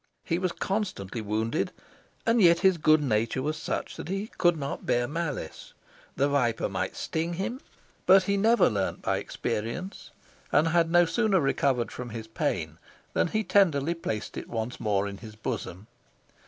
He was constantly wounded, and yet his good nature was such that he could not bear malice: the viper might sting him, but he never learned by experience, and had no sooner recovered from his pain than he tenderly placed it once more in his bosom.